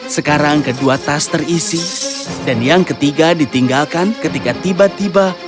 sekarang kedua tas terisi dan yang ketiga ditinggalkan ketika tiba tiba